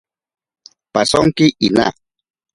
Pasonki ina.